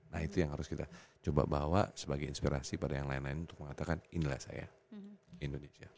nah itu yang harus kita coba bawa sebagai inspirasi pada yang lain lain untuk mengatakan inilah saya indonesia